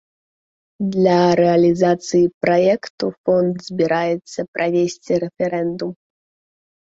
Для рэалізацыі праекту фонд збіраецца правесці рэферэндум.